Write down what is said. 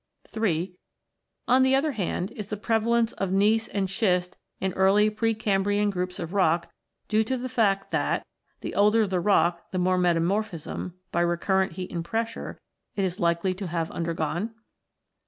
(iii) On the other hand, is the prevalence of gneiss and schist in early pre Cambrian groups of rock due to the fact that, the older the rock, the more metamorphism, by recurrent heat and pressure, it is likely to have undergone?